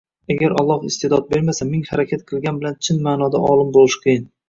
Agar Alloh isteʼdod bermasa, ming harakat qilgan bilan chin maʼnoda olim bo‘lish qiyin.